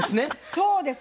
そうです。